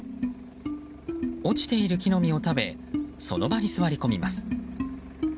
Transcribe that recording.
落ちている木の実を食べその場に座り込みます。